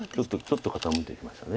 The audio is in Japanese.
ちょっと傾いてきました。